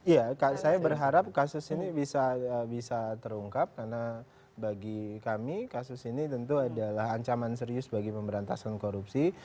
ya saya berharap kasus ini bisa terungkap karena bagi kami kasus ini tentu adalah ancaman serius bagi pemberantasan korupsi